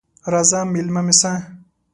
راځه مېلمه مې سه!